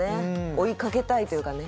追いかけたいというかね